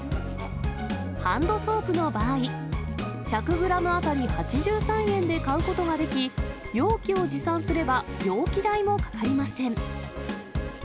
ハンドソープの場合、１００グラム当たり８３円で買うことができ、容器を持参すれば、容器代もかかりません。